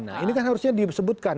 nah ini kan harusnya disebutkan